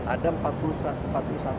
ada empat puluh satu stasiun